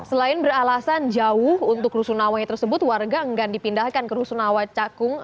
selain beralasan jauh untuk rusun awai tersebut warga enggak dipindahkan ke rusun awai cakung